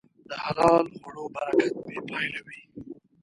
د حلال خوړو برکت بېپایله وي.